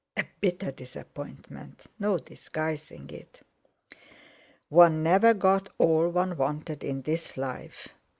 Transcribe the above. A bitter disappointment, no disguising it! One never got all one wanted in this life!